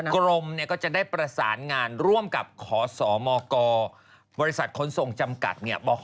กรมก็จะได้ประสานงานร่วมกับขสมกบริษัทขนส่งจำกัด